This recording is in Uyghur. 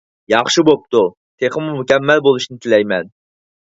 ياخشى بوپتۇ، تېخىمۇ مۇكەممەل بولۇشىنى تىلەيمەن!